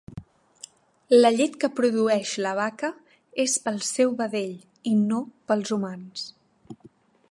La llet que produeix la vaca és pel seu vedell i no pels humans